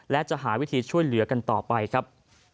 และจะหาวิธีช่วยเหลือกันต่อไปครับ